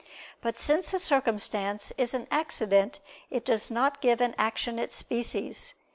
But since a circumstance is an accident, it does not give an action its species.